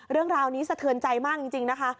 เรื่องราวนี้สะเทือนใจมากจริงนะคะ